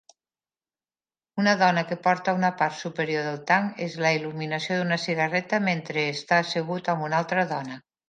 Una dona que porta una part superior del tanc és la il·luminació d'una cigarreta mentre està assegut amb una altra dona.